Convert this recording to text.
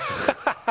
ハハハ。